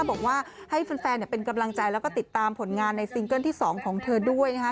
บอกว่าให้แฟนเป็นกำลังใจแล้วก็ติดตามผลงานในซิงเกิ้ลที่๒ของเธอด้วยนะคะ